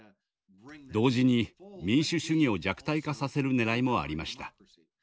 同時に民主主義を弱体化させるねらいもありました。